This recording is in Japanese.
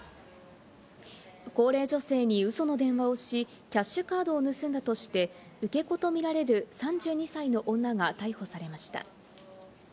高齢女性にウソの電話をし、キャッシュカードを盗んだとして、受け子とみられる３２歳の女が逮捕されました。